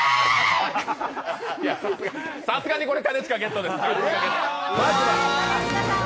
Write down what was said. さすがに、これ兼近さんゲットです。